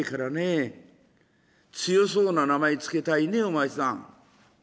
強そうな名前付けたいねお前さん。